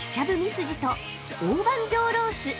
すじと大判上ロース。